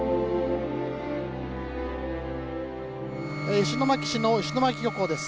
石巻市の石巻漁港です。